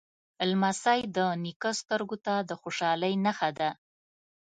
لمسی د نیکه سترګو ته د خوشحالۍ نښه ده.